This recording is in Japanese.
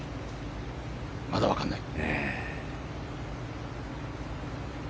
まだ分からない。